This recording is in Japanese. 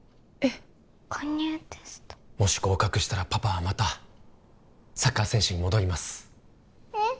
もし合格したらパパはまたサッカー選手に戻りますえっ